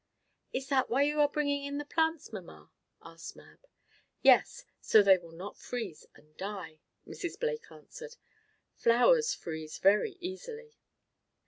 "Is that why you are bringing in the plants, mamma?" asked Mab. "Yes, so they will not freeze and die," Mrs. Blake answered. "Flowers freeze very easily."